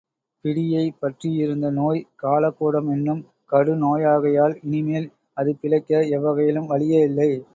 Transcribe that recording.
பிடியைப் பற்றியிருந்த நோய் காலகூடம் என்னும் கடுநோயாகையால் இனிமேல் அது பிழைக்க எவ் வகையிலும் வழியே இல்லை.